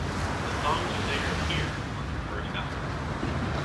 The songs would later appear on their first album.